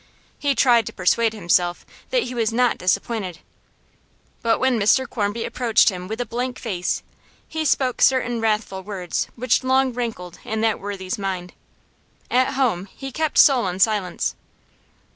He tried to persuade himself that he was not disappointed. But when Mr Quarmby approached him with blank face, he spoke certain wrathful words which long rankled in that worthy's mind. At home he kept sullen silence.